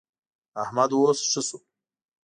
احمد اوس ښه شو.